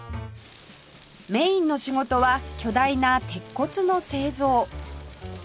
メインの仕事は巨大な鉄骨の製造